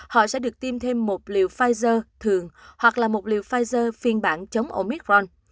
họ sẽ được tiêm thêm một liều pfizer thường hoặc là một liều pfizer phiên bản chống omicron